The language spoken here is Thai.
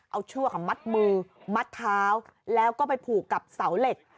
เอาเชือกมัดมือมัดเท้าแล้วก็ไปผูกกับเสาเหล็ก